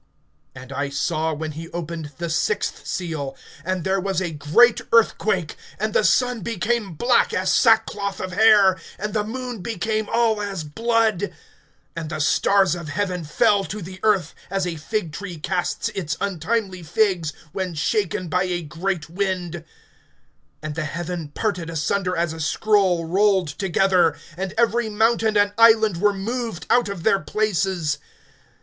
(12)And I saw when he opened the sixth seal, and there was a great earthquake; and the sun became black as sackcloth of hair, and the moon became all as blood; (13)and the stars of heaven fell to the earth, as a fig tree casts its untimely figs, when shaken by a great wind; (14)and the heaven parted asunder as a scroll rolled together; and every mountain and island were moved out of their places.